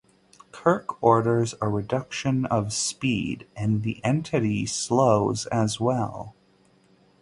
Kirk orders a reduction of speed, and the entity slows as well.